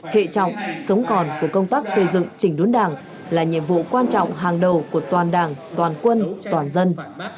hệ trọng sống còn của công tác xây dựng chỉnh đốn đảng là nhiệm vụ quan trọng hàng đầu của toàn đảng toàn quân toàn dân